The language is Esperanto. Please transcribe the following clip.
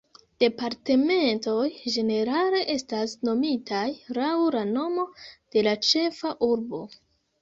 Departementoj, ĝenerale, estas nomitaj laŭ la nomo de la ĉefa urbo.